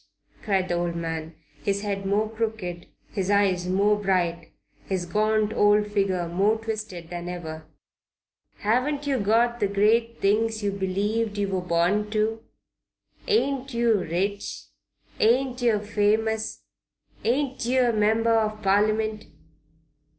cried the old man, his head more crooked, his eyes more bright, his gaunt old figure more twisted than ever. "Haven't yer got the great things yer believed yer were born to? Ain't yer rich? Ain't yer famous? Ain't yer a Member of Parliament?